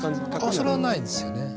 ああそれはないですよね。